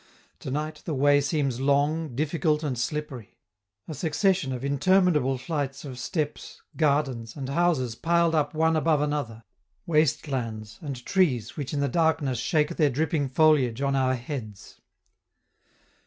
To night the way seems long, difficult, and slippery; a succession of interminable flights of steps, gardens, and houses piled up one above another; waste lands, and trees which in the darkness shake their dripping foliage on our heads.